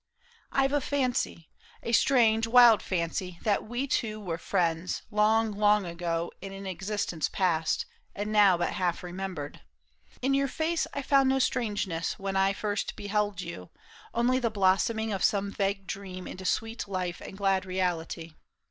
'' I've a fancy, A strange wild fancy, that we two were friends Long, long ago, in an existence past. And now but half remembered. In your face I found no strangeness when I first beheld you. Only the blossoming of some vague dream Into sweet life and glad reality.